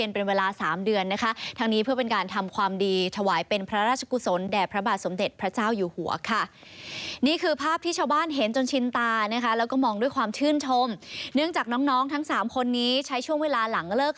เพื่อที่จะมาทำความสะอาดฐนตร์หลัง